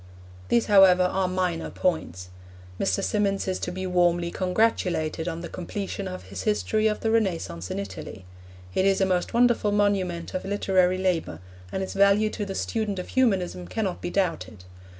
These, however, are minor points. Mr. Symonds is to be warmly congratulated on the completion of his history of the Renaissance in Italy. It is a most wonderful monument of literary labour, and its value to the student of Humanism cannot be doubted.